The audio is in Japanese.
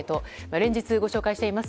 連日ご紹介しています。